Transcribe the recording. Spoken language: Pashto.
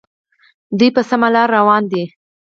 دوی په سمه لار روان دي.